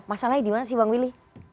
masalahnya dimana sih bang willy